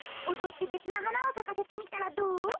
おどってべつなはなをさかせてみたらどう？